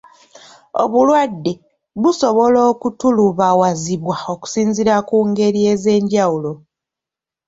Obulwadde busobola okutulubawazibwa okusinziira ku ngeri ez'enjawulo.